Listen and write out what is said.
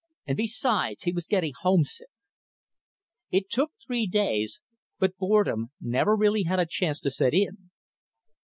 And, besides, he was getting homesick. It took three days but boredom never really had a chance to set in.